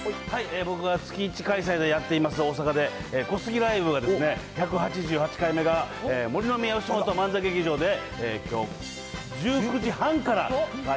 僕が月１開催でやっています、大阪で、小杉ライブが、１８８回目が、森ノ宮よしもと漫才劇場で、きょうきょうなんや？